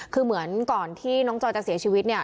คือเหมือนก่อนที่น้องจอยจะเสียชีวิตเนี่ย